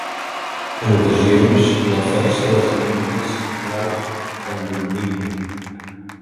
En ocasions, la força dels enigmes rau en l'homonímia.